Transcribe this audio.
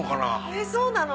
えそうなの？